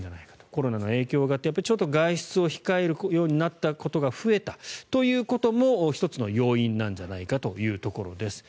コロナの影響があって外出を控えることが増えたということも１つの要因なんじゃないかというところです。